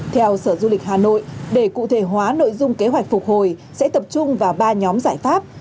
theo sở du lịch hà nội để cụ thể hóa nội dung kế hoạch phục hồi sẽ tập trung vào ba nhóm giải pháp